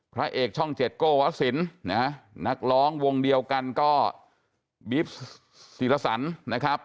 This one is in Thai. พระเอกช่องเจ็ดโกวะสินนักร้องวงเดียวกันก็บิ๊บสิรษรนะครับ